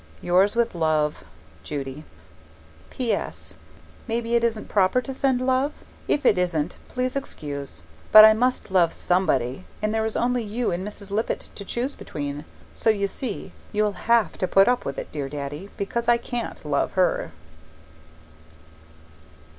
Yours with love, Judy PS. Maybe it isn't proper to send love? If it isn't, please excuse. But I must love somebody and there's only you and Mrs. Lippett to choose between, so you see you'll HAVE to put up with it, Daddy dear, because I can't love her.